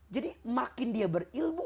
jadi makin dia berilmu